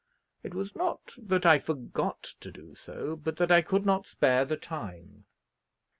It was not that I forgot to do so, but that I could not spare the time."